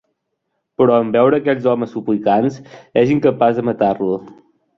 Però en veure aquells homes suplicants, és incapaç de matar-lo.